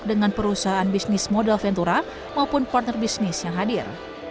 dengan perusahaan bisnis modal ventura maupun partner bisnis yang hadir